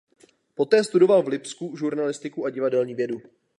Poté studoval v Lipsku žurnalistiku a divadelní vědu.